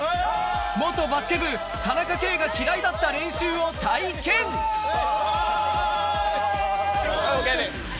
元バスケ部田中圭が嫌いだった練習を体験わ！